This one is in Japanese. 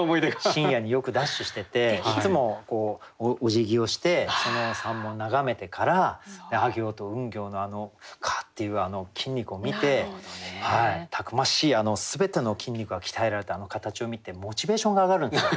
深夜によくダッシュしてていっつもこうおじぎをしてその山門を眺めてから阿形と吽形のあのカッていうあの筋肉を見てたくましいあの全ての筋肉が鍛えられたあの形を見てモチベーションが上がるんですよ。